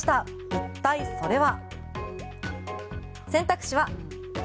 一体、それは。